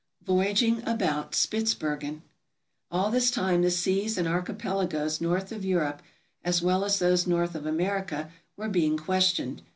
Voyaging about Spitzbergen All this time the seas and archipelagoes north of Europe, as well as those north of America, were being questioned.